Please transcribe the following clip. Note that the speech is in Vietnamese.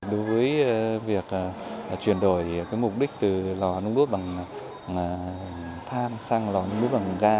đối với việc chuyển đổi mục đích từ lò nung bút bằng than sang lò nung bút bằng ga